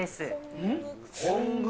うん？